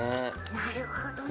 なるほどね。